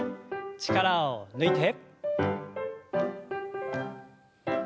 力を抜いて。